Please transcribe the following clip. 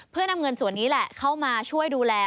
เพื่อนำเงินส่วนนี้แหละเข้ามาช่วยดูแล